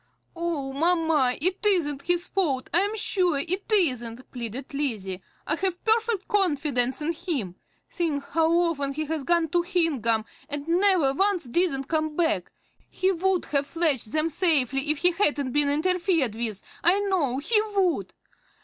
"Oh, mamma, it isn't his fault, I am sure it isn't," pleaded Lizzie. "I have perfect confidence in him. Think how often he has gone to Hingham, and never once didn't come back! He would have fetched them safely if he hadn't been interfered with, I know he would!